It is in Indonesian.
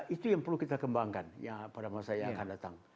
itu yang perlu kita kembangkan pada masa yang akan datang